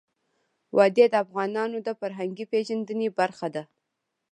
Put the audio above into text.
وادي د افغانانو د فرهنګي پیژندنې برخه ده.